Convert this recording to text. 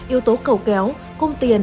yếu tố cầu kéo cung tiền